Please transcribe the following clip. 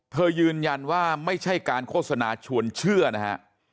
ยืนยันว่าไม่ใช่การโฆษณาชวนเชื่อนะฮะ